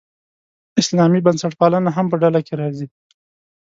اسلامي بنسټپالنه هم په ډله کې راځي.